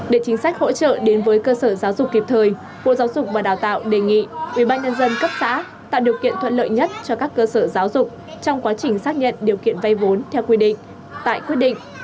để chính sách hỗ trợ đến với cơ sở giáo dục kịp thời bộ giáo dục và đào tạo đề nghị ubnd cấp xã tạo điều kiện thuận lợi nhất cho các cơ sở giáo dục trong quá trình xác nhận điều kiện vay vốn theo quy định tại quyết định